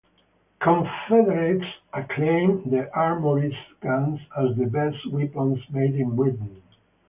Confederates acclaimed the Armoury's guns as the best weapons made in Britain.